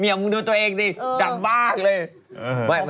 เมียมึงดูตัวเองดิดำมากเลย